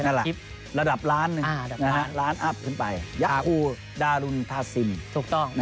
นั่นแหละระดับล้านนึงล้านอัพขึ้นไปยักษ์ผู้ดารุณทาซิมนะครับถูกต้อง